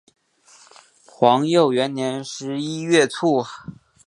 皇佑元年十一月卒。